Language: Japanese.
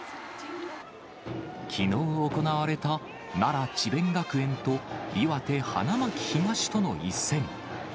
きのう行われた奈良・智弁学園と岩手・花巻東との一戦。